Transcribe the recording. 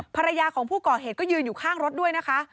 ภรรยาของผู้ก่อเหตุก็ยืนอยู่ข้างรถด้วยนะคะ